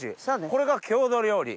これが郷土料理。